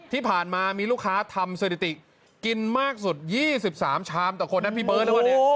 ที่ผ่านมามีลูกค้าทำเซอร์ติกกินมากสุด๒๓ชามแต่คนนั้นพี่เบิ้ลด้วย